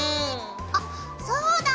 あっそうだ！